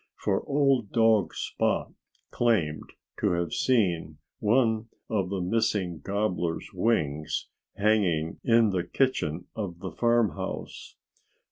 For old dog Spot claimed to have seen one of the missing gobbler's wings hanging in the kitchen of the farmhouse.